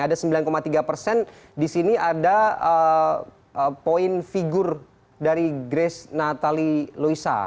ada sembilan tiga persen disini ada poin figur dari grace nathalie luisa